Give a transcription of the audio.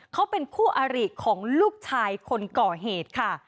เขาเป็นคู่อาริของลูกชายคนก่อเหตุค่ะ